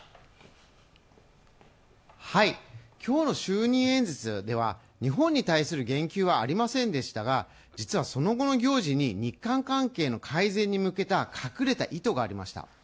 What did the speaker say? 今日の就任演説では日本に対する言及はありませんでしたが実はその後の行事に日韓関係の改善に向けた隠れた意図がありました。